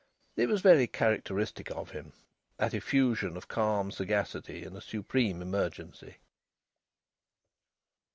It was very characteristic of him, that effusion of calm sagacity in a supreme emergency.